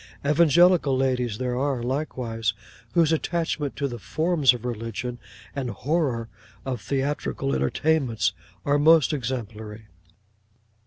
Evangelical ladies there are, likewise, whose attachment to the forms of religion, and horror of theatrical entertainments, are most exemplary.